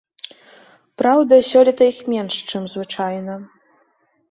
Праўда, сёлета іх менш, чым звычайна.